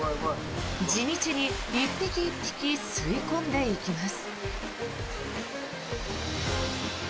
地道に１匹１匹吸い込んでいきます。